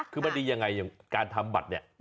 คือมันดียังไงอย่างการทำบัตรเนี่ย